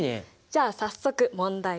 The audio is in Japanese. じゃあ早速問題です。